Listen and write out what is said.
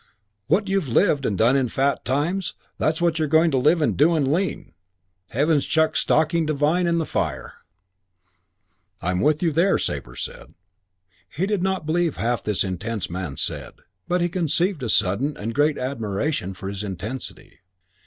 What you've lived and done in fat times that's what you're going to live and do in lean. Heaven's chucked stocking divine fire." "I'm with you there," Sabre said. He did not believe half this intense man said, but he conceived a sudden and great admiration for his intensity.